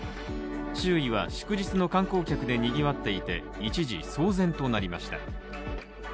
周囲は祝日の観光客でにぎわっていて一時騒然となりました。